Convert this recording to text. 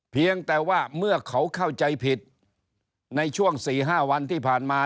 เพียงแต่ว่าเมื่อเขาเข้าใจผิดในช่วง๔๕วันที่ผ่านมา